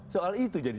soal itu jadi